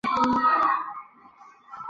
乾隆五十九年任湖南乡试副考官。